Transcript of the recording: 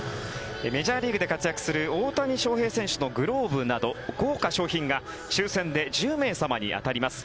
メジャーリーグで活躍する大谷翔平選手のグローブなど豪華賞品が抽選で１０名様に当たります。